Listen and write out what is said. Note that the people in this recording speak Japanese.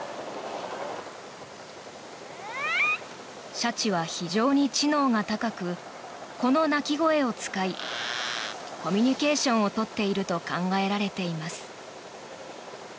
シャチは非常に知能が高くこの鳴き声を使いコミュニケーションを取っていると考えられています。